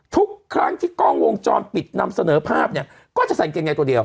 ทุกครั้งที่กล้องวงจรปิดนำเสนอภาพเนี่ยก็จะใส่กางเกงในตัวเดียว